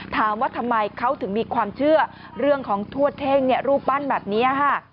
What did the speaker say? ถามว่าทำไมเขาถึงมีความเชื่อเรื่องของทวดเท่งรูปปั้นแบบนี้ค่ะ